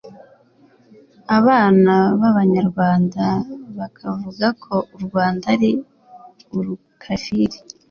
abana b’Abanyarwanda bakavuga ko u Rwanda ari urukafiri